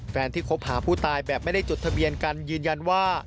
แฟนที่คบหาผู้ตายแบบไม่ได้จดทะเบียนกันยืนยันว่า